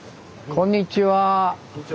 こんにちは。